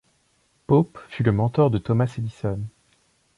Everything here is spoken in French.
Pope fut le mentor de Thomas Edison.